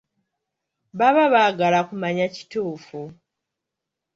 Baba baagala kumanya kituufu.